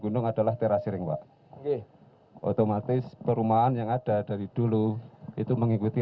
gunung adalah teras sering waktu otomatis perumahan yang ada dari dulu itu mengikuti